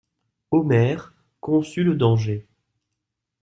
Omer conçut le danger.